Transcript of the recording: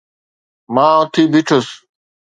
مان اٿي بيٺس